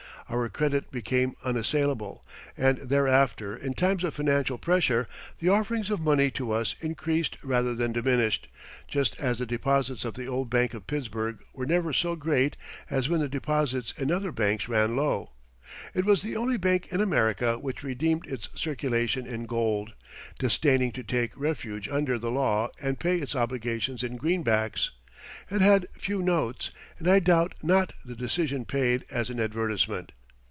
Our credit became unassailable, and thereafter in times of financial pressure the offerings of money to us increased rather than diminished, just as the deposits of the old Bank of Pittsburgh were never so great as when the deposits in other banks ran low. It was the only bank in America which redeemed its circulation in gold, disdaining to take refuge under the law and pay its obligations in greenbacks. It had few notes, and I doubt not the decision paid as an advertisement.